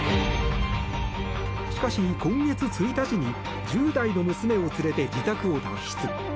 しかし、今月１日に１０代の娘を連れて自宅を脱出。